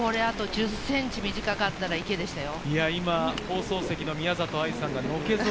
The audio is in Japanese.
あと１０ｃｍ短かったら、池でしたよ。